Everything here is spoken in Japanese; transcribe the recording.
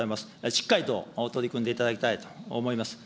しっかりと取り組んでいただきたいと思います。